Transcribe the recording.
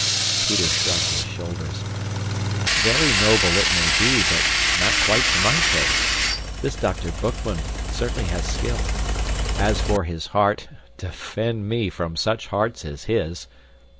Peter shrugged his shoulders. "Very noble it may be, but not quite to my taste. This Dr. Boekman certainly has skill. As for his heart defend me from such hearts as his!"